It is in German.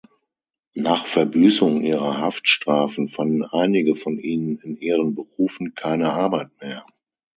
Nach Verbüßung ihrer Haftstrafen fanden einige von ihnen in ihren Berufen keine Arbeit mehr.